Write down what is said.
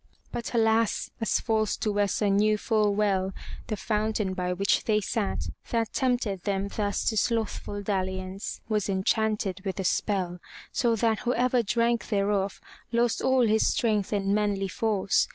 But alas! as false Duessa knew full well, the fountain by which they sat, that tempted them thus to slothful dalli ance, was enchanted with a spell, so that whoever drank thereof lost all his strength and manly force.